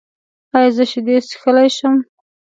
ایا زه شیدې څښلی شم؟